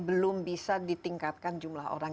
belum bisa ditingkatkan jumlah orang